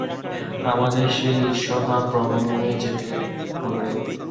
আমাদের সেই ঈশ্বর বা ব্রহ্ম হয়ে জেতে হবে।